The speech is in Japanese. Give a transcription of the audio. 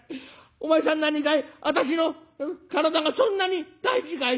お前さん何かい私の体がそんなに大事かい？」。